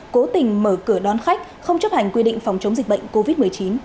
cố tình mở cửa đón khách không chấp hành quy định phòng chống dịch bệnh covid một mươi chín